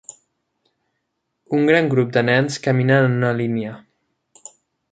Un gran grup de nens caminen en una línia.